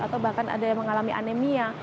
atau bahkan ada yang mengalami anemia